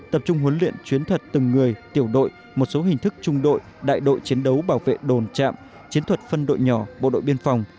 tập trung huấn luyện chiến thuật từng người tiểu đội một số hình thức trung đội đại đội chiến đấu bảo vệ đồn chạm chiến thuật phân đội nhỏ bộ đội biên phòng